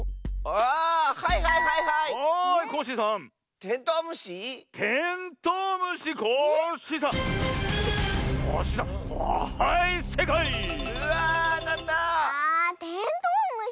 あテントウムシかあ。